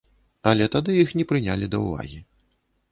Але тады іх не прынялі да ўвагі.